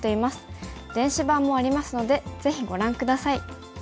電子版もありますのでぜひご覧下さい。